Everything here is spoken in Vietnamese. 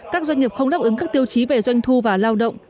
các doanh nghiệp không đáp ứng các tiêu chí về doanh thu và lao động